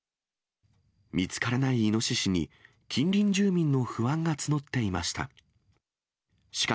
見つからないイノシシに、近隣住民の不安が募っていました。